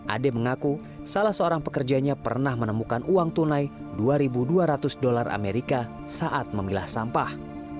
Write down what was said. ade mengaku salah seorang pekerjanya pernah menemukan uang tunai dua dua ratus dolar amerika saat memilah sampah